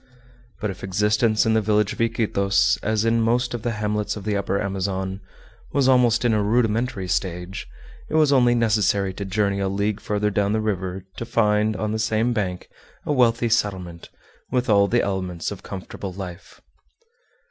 But if existence in the village of Iquitos, as in most of the hamlets of the Upper Amazon, was almost in a rudimentary stage, it was only necessary to journey a league further down the river to find on the same bank a wealthy settlement, with all the elements of comfortable life.